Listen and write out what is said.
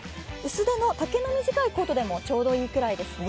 薄手の丈の短いコートでもちょうどいいくらいですね。